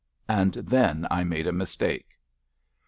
And then I made a mistake.